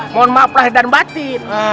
mohon maaf lahir dan batin